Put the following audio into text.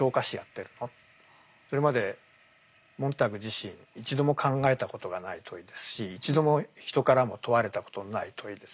それまでモンターグ自身一度も考えたことがない問いですし一度も人からも問われたことのない問いです。